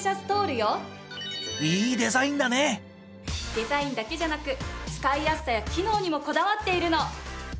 デザインだけじゃなく使いやすさや機能にもこだわっているの。